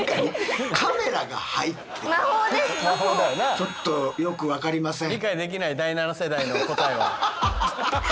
ちょっとよく分かりません。